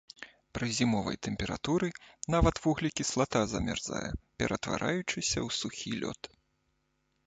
Пры зімовай тэмпературы нават вуглекіслата замярзае, ператвараючыся ў сухі лёд.